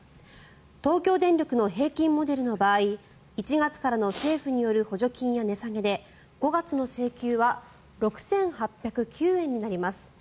東京電力の平均モデルの場合１月からの政府による補助金や値下げで５月の請求は６８０９円になります。